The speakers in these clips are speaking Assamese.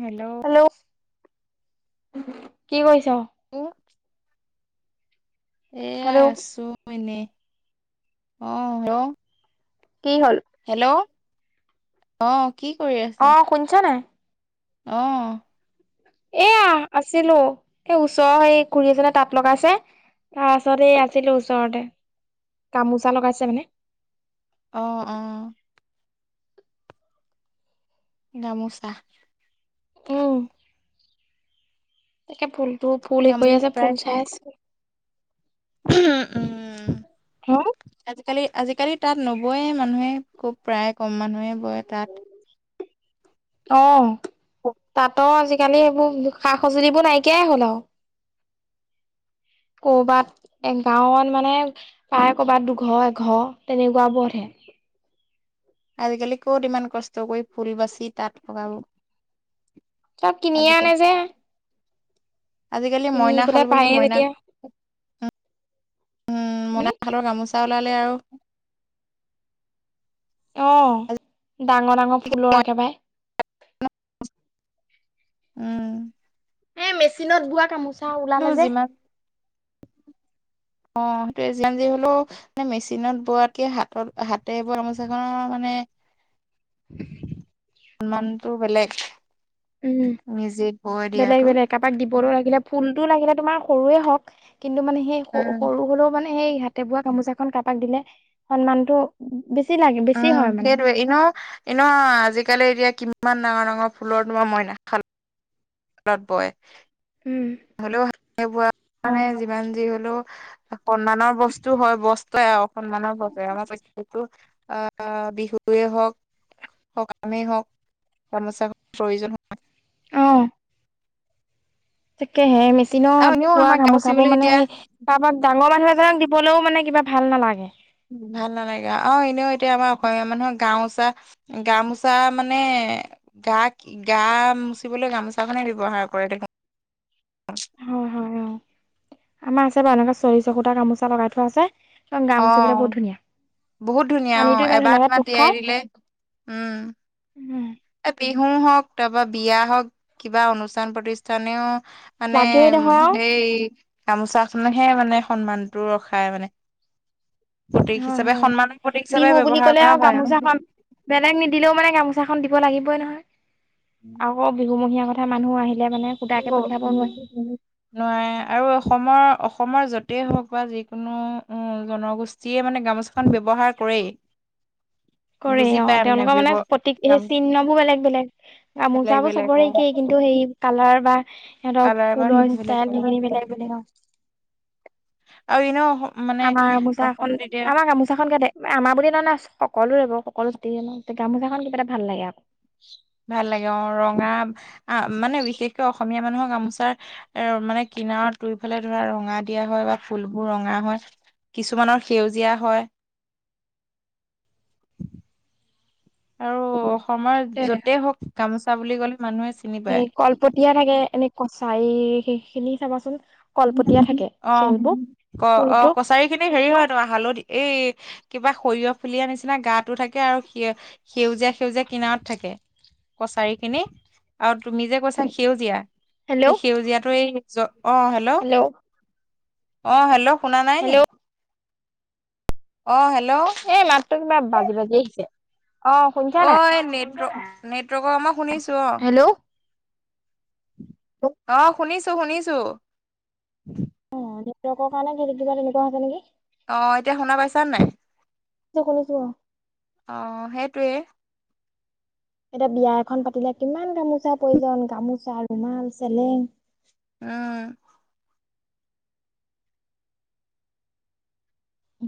হেল্ল' কি কৰিছা? এক এয়া হেল্ল' আছো এনেই, অ' হ কি হ'ল? হেল্ল' আহ। অ' শুনিছ নাই? আহ। এয়া আছিলো, এই ওচৰৰ এই খুৰী এজনে তাঁত লগাইছে তাৰপাছত এই আছিলো ওচৰতে, গামোচা লগাইছে মানে। আহ আহ। গামোচা আহ। তাকে ফুলতটো ফুল হেৰী গামলি কৰি আছে ফুল চাই আছে। উ উম হা আজিকালি আজিকালি তাত নবয় মানুহে খুব প্ৰায় কম মানুহে বয় তাত। অ', তাতো আজি কালি সেইবোৰ সা-সঁজুলিবোৰ নাইকিয়াই হ'ল আৰু। ক'ৰবাত এ গাঁৱত মানে প্ৰায় ক'বাত দুঘৰ এঘৰ তেনেকুৱাবোৰত হে। [inaudible] আজিকালি ক'ত ইমান কষ্ট কৰি ফুল বাচি তাঁত লগাব। চব কিনিয়ে আজিকালি আনে যে। আজিকালি কিনি মইনা শাল পেলাই বুলি পায়ে মইনা যেতিয়া উম, মনা খালৰ গামোচা ওলালে আৰু অহ, ডাঙৰ ডাঙৰ ফুলৰ একেবাৰে। উম। এ মেচিনত বোৱা গামোচা কিন্তু ওলালে যে। যিমান অ', সেইটো যি হ'লেও মেচিনত বোৱাতকে হাতত হাতে বোৱা গামোচাখনৰ মানে [inaudible] [inaudible] সন্মানটো বেলেগ। উম, নিজে বৈ বেলেগ দিয়াটো বেলেগ কাৰোবাক দিবৰ লাগিলে ফুল টো লাগিলে তোমাৰ সৰুয়ে হওঁক কিন্তু মানে সেই সৰু উম সৰু হ'লেও মানে সেই হাতে বোৱা গামোচা এখন কাৰবাক দিলে সন্মানটো বেছি লাগে বেছি উম, হয় মানে সেইটোৱে এনেও এনেও আজিকালি এতিয়া কিম ইমান ডাঙৰ ডাঙৰ ফুলৰ তোমাৰ মই নাখাল ত বয় উম। হলেও ৱা অ মানে যিমান যি হলেও। সন্মানৰ বস্তু হয় বস্তয়ে আসন্মানৰ বস্ত আমাৰটো অহ বিহুৱে হওক হওক কামেই হওক গামোচা প্ৰয়োজন হয়। অ', তাকেহে আৰু মেচিনত এনেও পোৱা আমাৰ গামচিবলৈ গামোচাবোৰ মানে এতিয়া কাৰবাক ডাঙৰ-ডাঙৰ, ক দিবলৈও মানে কিবা ভাল নালাগে। ভাল নালাগে অ' এনেও এতিয়া আমাৰ অসমীয়া মানুহৰ গামোচা-গামোচা মানে, গা গামোচিবলৈ গামোচাখনে ব্যৱহাৰ কৰে দেখোন। অ', হয় হয় অ আমাৰ আছে বাৰু এনেকা চৰি সূতা গামোচা লগাই থোৱা আছে কাৰন অ গামুচিবলে বহুত ধুনীয়া। বহুত ধুনীয়া পানীটো অ' ইমান এবাৰ ধুনীয়াকে মান টোপ তিয়াই খাই দিলে উম, এ বিহুও হওক তাৰপৰা বিয়া হওক কিবা অনুষ্ঠান প্ৰতিষ্ঠানেও মানে লাগেই নহয় আৰু হেই গামোচাখনকহে মানে সন্মানটো ৰখায় মানে। প্ৰতীক হয় হিচাপে হয় সন্মানৰ প্ৰতীক হিচাপে বিহু বুলি ক'লে ব্যৱহাৰ কৰা হয় আৰু। গামোচাখন বেলেগ নিদিলেও মানে গামোচাখন দিব লাগিবই নহয় আকৌ বিহুমহীয়াৰ কথা মানুহো আহি, নোৱাৰে আৰু অসমৰ অসমৰ য'তেই হওক বা যিকোনো উ জনগোষ্ঠীয়ে মানে গামোছাখন ব্যৱহাৰ কৰেই। উ [inaudible] কৰে অ' তেওঁলোকৰ মানে প্ৰতিক গাম চিহ্ন বোৰো বেলেগ-বেলেগ বেলেগ গামোচাবোৰ বেলেগ অ চবৰে একেই কিন্তু সেই কালাৰ বা সিহঁতৰ কালাৰ বা সেই ফুলৰ বেলেগ অ। ষ্টাইল সেইখিনি মিলাই বুলি কওঁ আৰু মানে আমাৰ গামোচাখন অসমত এতিয়া আমাৰ গামোচাখন কেতে আমাৰ বুলি এ আছো সকলো ৰব সকলো গামোচাখন কিবা এটা ভাল লাগে আকৌ। ভাল লাগে অ' ৰঙা আহ মানে বিশেষকৈ অসমীয়া মানুহক গামোচাৰ এ মানে কিনাৰত দুই ফালে ধৰা ৰঙা দিয়া হয় বা ফুলবোৰ ৰঙা হয়। কিছুমানৰ সেউজীয়া হয়। আৰু অসমৰ য'তে হওক গামোচা বুলি ক'লে, মানুহে চিনি পায় এই কলপতিয়া থাকে এনে কছাৰী সেইখিনি চাবাচোন, কলপতীয়া থাকে অ' খেলবোৰ ক ফুলটো অ' কছাৰী খিনি হেৰি হয় ত হালধি এই কিবা সৰিয়হ ফুলিয়াৰ নিচিনা গাতো থাকে আৰু সে সেউজীয়া-সেউজীয়া কিনাৰত থাকে। কছাৰী খিনি আৰু তুমি যে কৈছা সেউজীয়া, হেল্ল' সেউজীয়াটো এই অ', হেল্ল', অ' হেল্ল' শুনা নাই নি? হেল্ল' অ হেল্ল' এ মাততো কিবা বাজি-বাজি আহিছে অ' শুনিছানে নাই। নেটৱৰ্কৰ আমৰ শুনিছো অ', হেল্ল' অ' শুনিছো-শুনিছো। অকৰ কাৰণে ঘেত কিবা তেনেকুৱা আছে নেকি [unintelligible] অহ এতিয়া শুনা পাইছা নাই যে শুনিছো অ। অহ সেইটোৱে। এতিয়া বিয়া এখন পাতিলে কিমান গামোচা প্ৰয়োজন গামোচা ৰুমাল চেলেং। উম,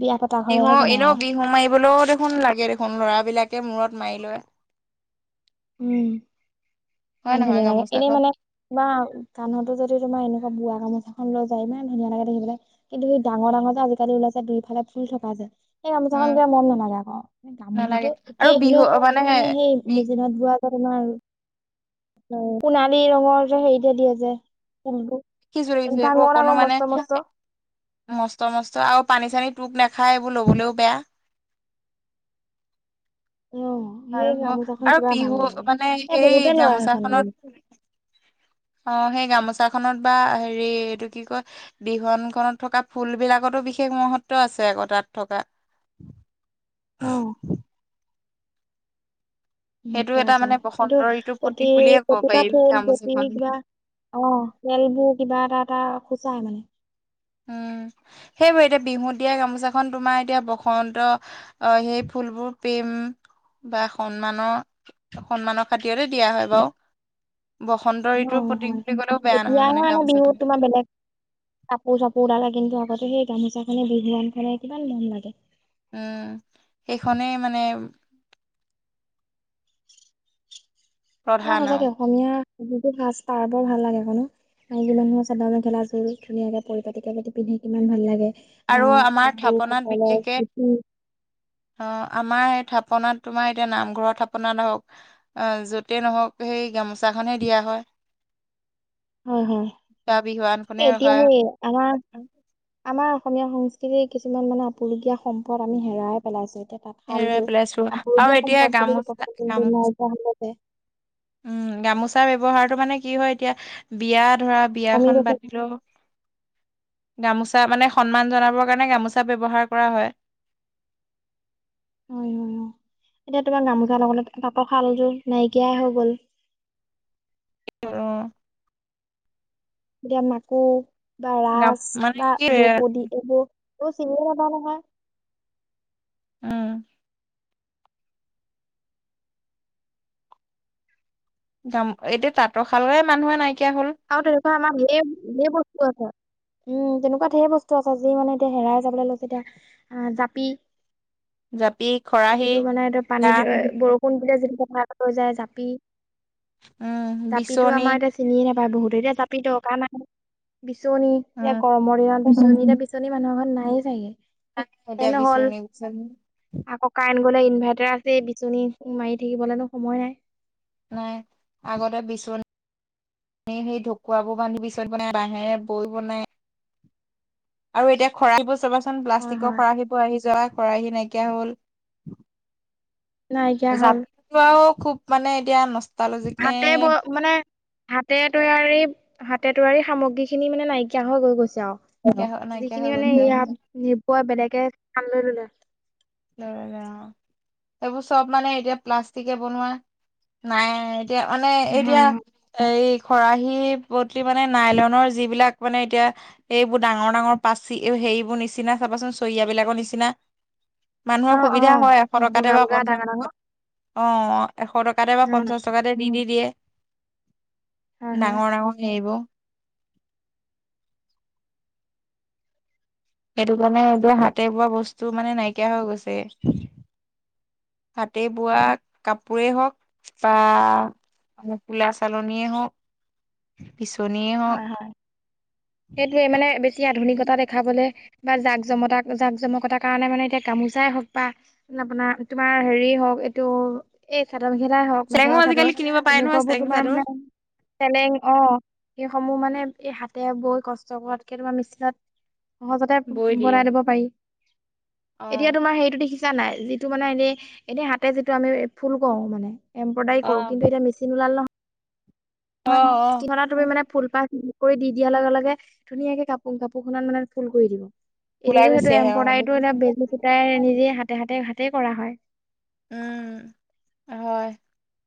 বিয়া পতা ঘৰেহে বিহু জানে এনে আৰু বিহু মাৰিবলৈও দেখোন লাগে দেখোন লৰাবলাকে মূৰত মাৰি লয়। উম, হয় ইমান নহয় ধুনীয়া লাগে এনেই গামোচাখন মানে তোমাৰ গানহতো যদি তোমাৰ এনে অ' বোৱা গামোচাখন লৈ যায় ইমান ধুনীয়া লাগে দেখিবেলাই কিন্তু সেই ডাঙৰ-ডাঙৰ যে আজিকালি ওলাইছে দুইফালে ফুল থকা যে, সেই গামোচাখন উম গৈ মন নালাগে আকৌ গামোচাতটো নালাগে আৰু একেই বিহু হলেও মানে সেই বি বোৱাৰ কাৰনে আৰু সুণালী ৰঙৰ যে হেৰিতে দিয়ে যে, দেখিছো-দেখিছো সেইবোৰ ডাঙৰ অকো ডাঙৰ মানে মস্ত মস্ত মস্ত মস্ত আৰু পানী-চানী, তোক নাখায় এইবোৰ ল'বলৈও বেয়া অ আৰু সেই ন গামোচাখন আৰু কিবা ভাল বিহু নালাগে। মানে এ সেই বহুতে লয় সেইখন গামোচা। গামোচাখনত অঁ সেই গামোচা পচাখনত বা হেৰি এইটো কি কয় বিহুৱানখনত থকা ফুলবিলাকটো বিশেষ মহত্ব আছে। চেকটাত থকা। উম। সেইটো মহত্ব এটা আছে মানে বসন্ত সেইটো ঋতুৰ প্ৰতীক প্ৰতি বুলিয়ে ক'ব প্ৰতি পাৰি বা ফুল প্ৰতি গামোচাখন কিবা অঁ খেলবোৰ কিবা এটা এটা সূচায় মানে উম। সেইবোৰে এতিয়া বিহুত দিয়া গামোচাখন তোমাৰ এতিয়া বসন্ত অ সেই ফুলবোৰ প্ৰেম বা সন্মানৰ, সন্মানৰ খাতিৰতে দিয়া হয় বাও। হয় হয় নহয় এতিয়াহে মানে মান বিহুত গামোচাখন তোমাৰ বেলেগ কাপোৰ-চাপোৰ [unintelligible] কিন্তু আগতে সেই গামোচাখনে বিহুৱান খনে কিমান মৰম লাগে। উম সেইখনেই মানে আমাৰ প্ৰধান সঁচাকে আৰু অসমীয়া যিটো সাজ-পাৰ বৰ ভাল লাগে অক ন। মাইকী মানুহৰ চাদৰ-মেখেলা যোৰ ধুনীয়াকে পৰি-পাতিকে যদি পিন্ধে কিমান ভাল লাগে। আৰু আহ তাৰপিছত আমাৰ থাপনাত পুৰুষসকলৰ বিশেষকে, ধুতি আহ আমাৰ থাপ থাপনাত তোমাৰ এতিয়া নামঘৰত থাপনাত হওক য'তেই নহওক সেই গামোচাখনহে দিয়া হয়। [inaudible] হয় হয় বা বিহুৱানখনে এতিয়া ৰখা সে আমাৰ, আমাৰ অসমীয়া সংস্কৃতিৰ কিছুমান মানে আপুৰুগীয়া সম্পদ আমি হেৰাই পেলাইছো। তাঁত হেৰুৱাই শালযোৰ পেলাইছো আৰু আপুৰুগীয়া এতিয়া সম্পদ বুলি গামোচা গামো ক'ব [unintelligible] উম গামোচাৰ ব্যৱহাৰটো ত মানে কি হয় এতিয়া বিয়া ধৰা কমি বিয়াখন গৈছে পাতিলো গামোচা মানে সন্মান জনাবৰ কাৰণে গামোচা ব্যৱহাৰ কৰা হয়। হয় হয় হয় এতিয়া তোমাৰ গামোচাৰ লগাবলে তাঁতৰ শালযোৰ নাইকিয়াই হৈ গ'ল। [inaudible] এতিয়া মাকু বা গাম ৰাঁচ মানে বা কি দ্ৰোপদী দি এইবোৰ চিনিয়ে নাপাও নহয়। উম গাম এতিয়া তাঁতৰশালৰে মানুহে নাইকিয়া হল। [unintelligible] ঢেৰ বস্তু আছে উম তেনেকুৱা ঢেৰ বস্তু আছে যি মানে এতিয়া হেৰাই যাবলৈ লৈছে এতিয়া জাপি। জাপি খৰাহি যিটো মানে এয়া দা পানীত বৰষুণ দিলে যিটো যায় জাপি, উম জাপিটো বিচনী আমাৰ এতিয়া চিনিয়ে নাপা [unintelligible] বহু এতিয়া জাপি দকা নাই বিচনী এয়া, উম গৰমৰ দিনত বিচনী এতিয়া বিচনী মানুহৰ ঘৰত নাই চাগে। এতিয়া এনে হ'ল, বিচনী বিচনী আকৌ কান বোলে ইনভাৰ্টাৰ আছে বিচনী মাৰি থাকিবলেনো সময় নাই। নাই, আগতে বিচনী সেই সেই ঢকুৱাবোৰ বান্ধি বিচনী বনাই বাঁহেৰে বৈ বনাই। আৰু এতিয়া খৰালবোৰ চাবাচোন হয় প্লাষ্টিকৰ হয় খৰাহীব আহি যোৱা। খৰাহী নাইকিয়া হ'ল। নাইকিয়া হ'ল জাপাও খুব মানে এতিয়া নচলা হাতে ব মানে হাতে তৈয়াৰী হাতে তৈৱাৰী সামগ্ৰীখিনি মানে নাইকিয়া হৈ গৈ গৈছে। নাইকিয়া হৈ [unintelligible] নাইকিয়া হৈ যিখিনি মানে গৈছে আৰু ইয়াপ নিপুৱা বেলেগে কাম লৈ ললে। অ এইবোৰ চব মানে এতিয়া প্লাষ্টিকে বনোৱা, নাই এতিয়া মানে এতিয়া হয় হয়। এই খৰাহী বদলি মানে নাইলনৰ যিবিলাক মানে এতিয়া এইবোৰ ডাঙৰ ডাঙৰ পাচি সেইবোৰ নিচিনা চাবাচোন চৰিয়াবিলাকৰ নিচিনা মানুহৰ অ', সুবিধা অ', হয় এশ টকাতে বগা বা বগা পঞ্চাশ ডাঙৰ ডাঙৰ অ'। টক অ', এশ টকাতে বা পঞ্চাশ টকাতে দি দি দিয়ে। হয় হয়। ডাঙৰ ডাঙৰ হেৰিবোৰ। সেইটো কাৰণে এইবোৰ হাতে বোৱা বস্তু মানে নাইকিয়া হৈ গৈছে। হাতে বোৱা কাপোৰেই হওঁক বা [unintelligible] কুলা চালনীয়ে হওঁক। হয়, হয়, সেইটোৱে মানে বেছি আধুনিকতা দেখাবলে বা জাক-জমতা, জাক-জমকতাৰ কাৰণে মানে এতিয়া গামোচাই হওঁক বা আপোনাৰ তোমাৰ হেৰিয়েই হওঁক। এইটো এই [unintelligible] চাদৰ মেখেলাই হওঁক চেলেঙো মেখেলা চাদৰ আজিকালি কিনিব পাৰে নহয় তেনেকুৱাবোৰ চেলেং তোমাৰ চাদৰ মানে চেলেং অ'। সেইসমূহ মানে এই হাতে বৈ কষ্ট কৰাতকে তোমাৰ মেচিনত সহজতে বৈ দিয়ে বনাই দিব পাৰি, অ এতিয়া তোমাৰ হেৰিতটো দেখি ছা নাই, যিটো মানে এনেই, এনেই হাতে যিটো আমি ফুল কৰোঁ মানে এম্ৰইডাৰী অ কৰোঁ, কিন্তু এতিয়া মেচিন ওলাল নহয়। অ অ [unintelligible] তুমি মানে ফুলপাহ কৰি দি দিয়াৰ লগে-লগে ধুনীয়াকে কপো কাপোৰ খনত মানে ফুল কৰি দিয়ে। ওলাই এতিয়াটো গুচি সেইটোৱে আহে অ এমপ্ৰয়দাৰীটো এতিয়া দেখিছো বেজী খোতাই নিজে হাতে, হাতে, হাতে কৰা হয়। উম হয়।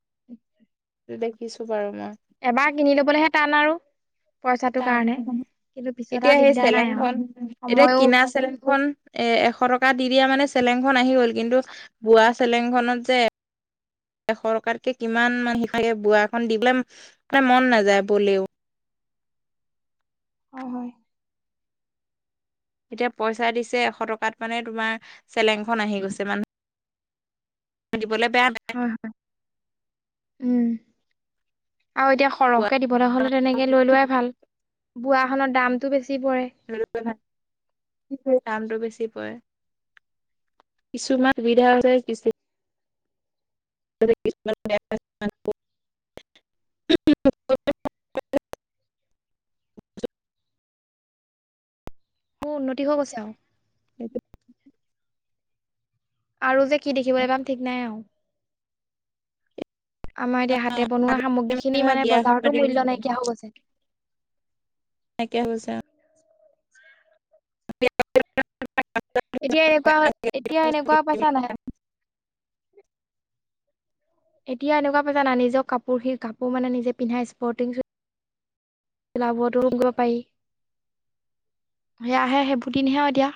[unintelligible] দেখিছো বাৰু মই। এবাৰ কিনি লবলৈহে টান আৰু পইচাটো টান কাৰণে। পিছত এতিয়া আৰু সেই দিগদাৰ নাই আৰু চেলেংখন, এতিয়া সময়ো কিনা চেলেংখন এ এশ টকা দি দিয়া মানে চেলেংখন আহি গ'ল কিন্তু বোৱা চেলেংখনত যে সৰকাৰকে কিমান মান শে বোৱা এখন দিবলে মানে মন নাযায় বলেও। হয়। এতিয়া পইচা দিছে এশ টকাত মানে তোমাৰ চেলেংখন আহি গৈছে মানে। দিবলে হয় হয়, উম আৰু এতিয়া পোৱা সৰহ দিবলৈ হ'লে তেনেকে লৈ কিন্তু লোৱাই ভাল বোৱা হ'লে দামটো বেছি পৰে [unintelligible] দামটো বেছি কিছুমান সুবিধাৰ হ'লে কিছু [unintelligible] [unintelligible] মোৰ উন্নতি হৈ গৈছে আৰু। সেইটো আৰু যে কি দেখিবলৈ পাম, ঠিক নাই আৰু আমাৰ এতিয়া হাতে বনোৱা সামগ্ৰী খিনি ধৰা মানে বিয়াখন বজাৰতো পাতি মূল্য নাইকিয়া হৈ গৈছে। নাইকিয়া হৈছে আহ। [unintelligible] এতিয়া এনেকুৱা এতিয়া এনেকুৱা পাইছা নাই। এতিয়া এনেকুৱা পাজানা নিজৰ কাপোৰ সি কাপোৰ মানে নিজে পিন্ধাই স্পৰ্টিং যোৰ গিলাবোৰতো ৰু কৰিব পাৰি সেয়াহে সেইবোৰদিনহে এতিয়া।